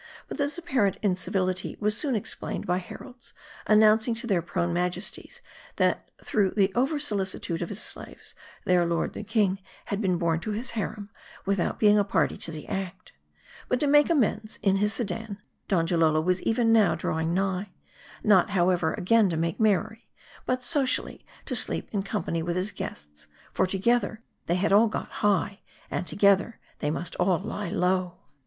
But this apparent incivility was soon explained by heralds, an nouncing to their prone majesties, that through the over solicitude of his. slaves, their lord the king had been borne to his harem, without being a party to the act. But to make amends, in his sedan, Donjalolo was even now draw ing nigh. Not, however, again to make merry ; but socially to sleep in company with his guests ; for, together they had all got high, and together they must all lie low.